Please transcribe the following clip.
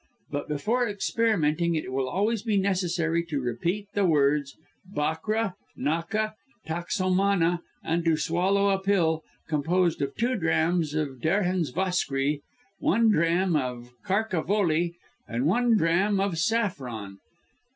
But before experimenting it will always be necessary to repeat the words 'Bakra naka taksomana,' and to swallow a pill, composed of two drachms of Derhens Voskry, one drachm of Karka Voli and one drachm of saffron.